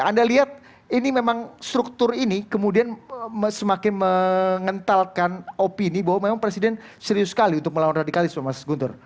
anda lihat ini memang struktur ini kemudian semakin mengentalkan opini bahwa memang presiden serius sekali untuk melawan radikalisme mas guntur